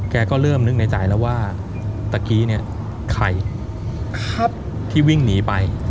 ก็เริ่มนึกในใจแล้วว่าตะกี้เนี่ยใครครับที่วิ่งหนีไป